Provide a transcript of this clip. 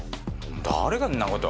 誰がんな事。